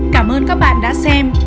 cảm ơn các bạn đã xem